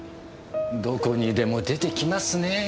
どこにでも出てきますねぇ。